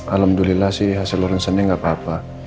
alhamdulillah sih hasil ronsennya gak apa apa